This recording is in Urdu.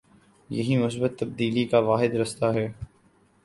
یہی مثبت تبدیلی کا واحد راستہ ہے۔